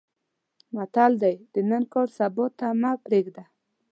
متل دی: د نن کار سبا ته مه پرېږده.